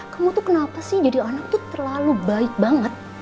kamu tuh kenapa sih jadi anak tuh terlalu baik banget